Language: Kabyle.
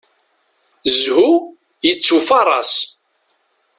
Zhu yettufaṛas.